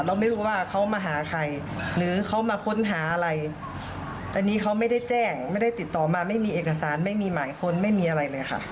เราไม่รู้ว่าเขามาหาใครหรือเขามาค้นหาอะไรอันนี้เขาไม่ได้แจ้งไม่ได้ติดต่อมาไม่มีเอกสารไม่มีหมายค้นไม่มีอะไรเลยค่ะ